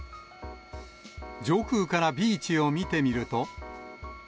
上空からビーチを見てみると。